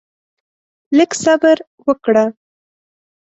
لږ صبر وکړه؛